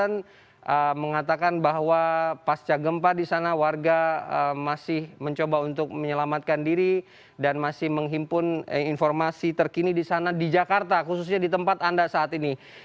saya mengatakan bahwa pasca gempa di sana warga masih mencoba untuk menyelamatkan diri dan masih menghimpun informasi terkini di sana di jakarta khususnya di tempat anda saat ini